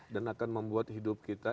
dan akan membuat hidup kita